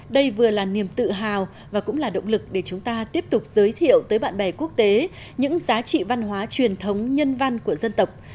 đây vừa là niềm tự hào và cũng là động lực để chúng ta tiếp tục giới thiệu tới bạn bè quốc tế những giá trị văn hóa truyền thống nhân văn của dân tộc